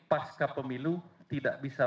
pasca pemilu tidak bisa